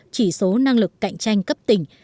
chỉ số năng lực cạnh tranh cấp tỉnh